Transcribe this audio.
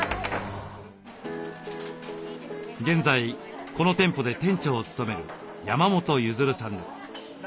現在この店舗で店長を務める山本弦さんです。